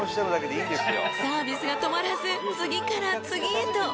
［サービスが止まらず次から次へと］